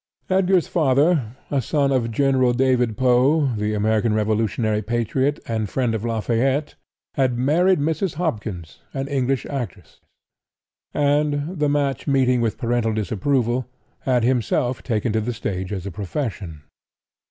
Edgar's father, a son of General David Poe, the American revolutionary patriot and friend of Lafayette, had married Mrs. Hopkins, an English actress, and, the match meeting with parental disapproval, had himself taken to the stage as a profession.